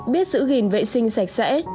biết giữ ghìn vệ sinh sạch sẽ